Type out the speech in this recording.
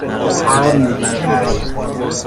حمل کرد